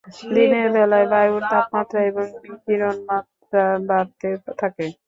দিনের বেলায় বায়ুর তাপমাত্রা এবং বিকিরণ মাত্রা বাড়তে থাকে।